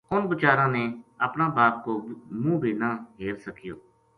اُنھ بچاراں نے اپنا باپ کو منہ بے نہ ہیر سکیو